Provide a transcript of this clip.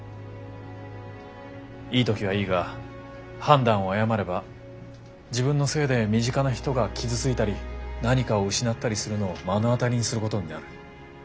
いい時はいいが判断を誤れば自分のせいで身近な人が傷ついたり何かを失ったりするのを目の当たりにすることになる。